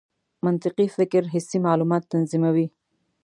منطقي فکر حسي معلومات تنظیموي.